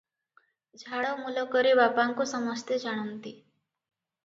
ଝାଡ଼ ମୁଲକରେ ବାପାଙ୍କୁ ସମସ୍ତେ ଜାଣନ୍ତି ।